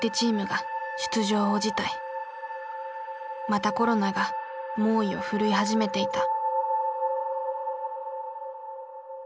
またコロナが猛威を振るい始めていた。